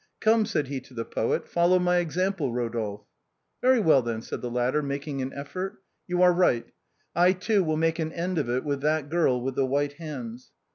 " Come," said he to the poet, " follow my example, Eodolphe." " Very well, then," said the latter, making an effort ; "you are right. I too will make an end of it with that girl with the white hands."